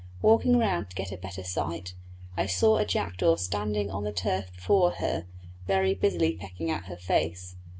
Walking round to get a better sight, I saw a jackdaw standing on the turf before her, very busily pecking at her face.